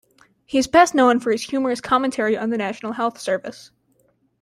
He is best known for his humorous commentary on the National Health Service.